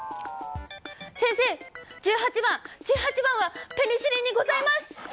先生、１８番は１８番はペニシリンでございます。